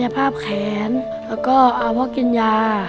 กัยภาพแขนและก็เอาพวกกินยา